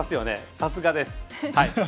さすがです。